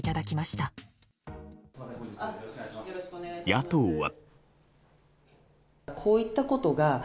野党は。